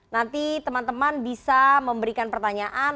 nanti teman teman bisa memberikan pertanyaan